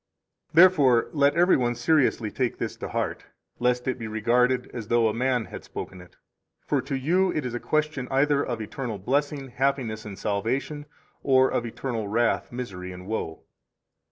41 Therefore let every one seriously take this to heart, lest it be regarded as though a man had spoken it. For to you it is a question either of eternal blessing, happiness, and salvation, or of eternal wrath, misery, and woe.